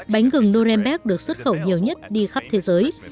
bánh gừng norembec được xuất khẩu nhiều nhất đi khắp thế giới